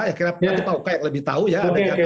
ya kita tahu kayak lebih tahu ya